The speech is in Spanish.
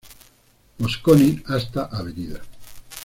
Mosconi hasta Av.